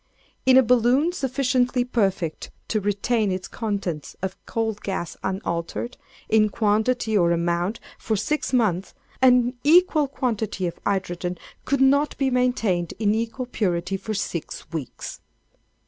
In a balloon sufficiently perfect to retain its contents of coal gas unaltered, in quantity or amount, for six months, an equal quantity of hydrogen could not be maintained in equal purity for six weeks.